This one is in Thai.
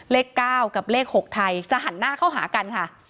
เลข๙กับเลข๖ไทยจะหันหน้าเข้าหากันค่ะ